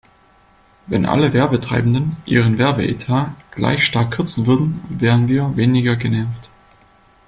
Wenn alle Werbetreibenden ihren Werbeetat gleich stark kürzen würden, wären wir weniger genervt.